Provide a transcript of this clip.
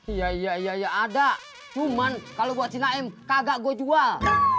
iya iya iya ada cuman kalau buat sinaim kagak gue jual